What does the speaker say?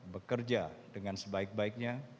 bekerja dengan sebaik baiknya